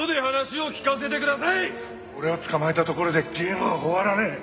俺を捕まえたところでゲームは終わらねえ。